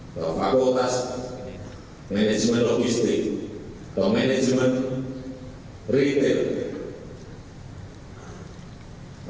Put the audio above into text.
bahwa fakultas manajemen logistik atau manajemen retail